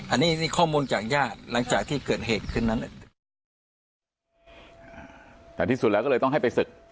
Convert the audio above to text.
อันนี้นี่ข้อมูลจากญาติหลังจากที่เกิดเหตุขึ้นนั้นแต่ที่สุดแล้วก็เลยต้องให้ไปศึก